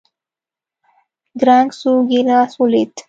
کړنگ سو گيلاس ولوېد.